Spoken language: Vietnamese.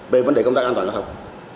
về vấn đề công tác an toàn giao thông